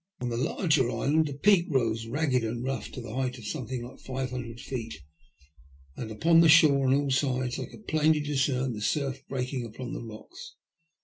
On the larger island a peak rose ragged and rough to a height of something like five hundred feet, and upon the shore, on all sides, I could plainly discern the surf breaking upon the rocks.